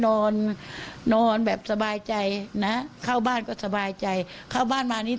นอนนอนแบบสบายใจนะเข้าบ้านก็สบายใจเข้าบ้านมานี่